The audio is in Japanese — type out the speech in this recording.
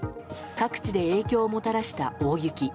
各地で影響をもたらした大雪。